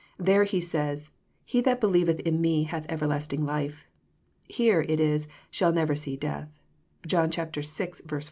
There He says, '* He that believeth In Me, hath everlasting life." Here it is '* shall never see death." (John vl. 47.)